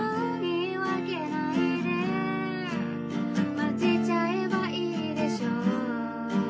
「混ぜちゃえばいいでしょ」